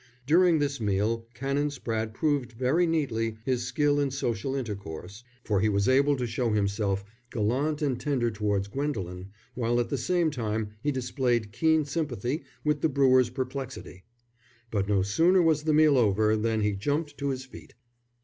During this meal Canon Spratte proved very neatly his skill in social intercourse, for he was able to show himself gallant and tender towards Gwendolen, while at the same time he displayed keen sympathy with the brewer's perplexity. But no sooner was the meal over than he jumped to his feet.